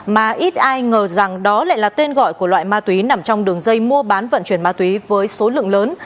mà ít ai ngờ rằng đó lại là tên gọi của loại ma túy nằm trong đường dây mua bán vận chuyển ma túy với số lượng lớn